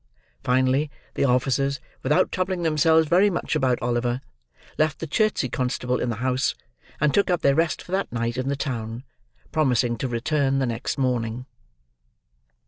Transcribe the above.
Finally, the officers, without troubling themselves very much about Oliver, left the Chertsey constable in the house, and took up their rest for that night in the town; promising to return the next morning.